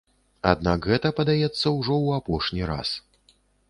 Аднак гэта, падаецца, ужо ў апошні раз.